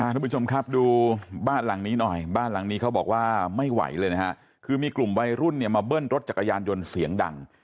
ทุกผู้ชมครับดูบ้านหลังนี้หน่อยบ้านหลังนี้เขาบอกว่าไม่ไหวเลยนะฮะคือมีกลุ่มวัยรุ่นเนี่ยมาเบิ้ลรถจักรยานยนต์เสียงดัง